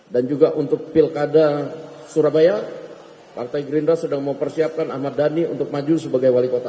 dan juga untuk pilkada surabaya partai green rush sedang mempersiapkan ahmad dhani untuk maju sebagai wali kota